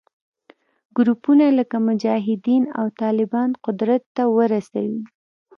ګروپونه لکه مجاهدین او طالبان قدرت ته ورسوي